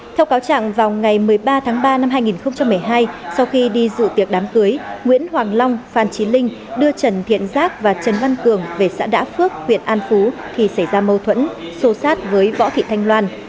theo cáo trạng vào ngày một mươi ba tháng ba năm hai nghìn một mươi hai sau khi đi dự tiệc đám cưới nguyễn hoàng long phan trí linh đưa trần thiện giáp và trần văn cường về xã đã phước huyện an phú thì xảy ra mâu thuẫn xô sát với võ thị thanh loan